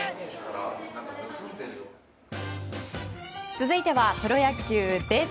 続いてはプロ野球です。